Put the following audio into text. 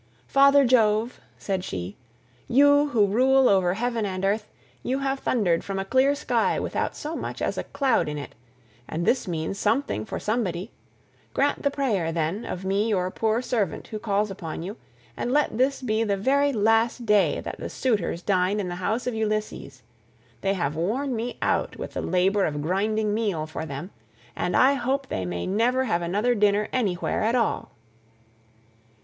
"Father Jove," said she, "you, who rule over heaven and earth, you have thundered from a clear sky without so much as a cloud in it, and this means something for somebody; grant the prayer, then, of me your poor servant who calls upon you, and let this be the very last day that the suitors dine in the house of Ulysses. They have worn me out with labour of grinding meal for them, and I hope they may never have another dinner anywhere at all."